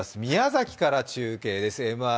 宮崎から中継です。